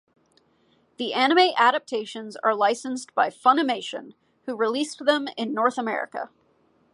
The anime adaptations are licensed by Funimation who released them in North America.